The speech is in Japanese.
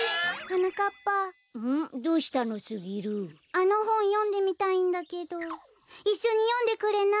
あのほんよんでみたいんだけどいっしょによんでくれない？